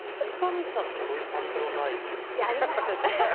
三上さんってそういう感情ないでしょ。